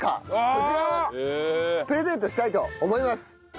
こちらをプレゼントしたいと思います。